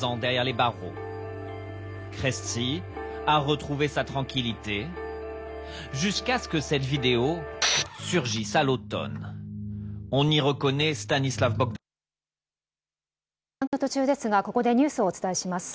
番組の途中ですがここでニュースをお伝えします。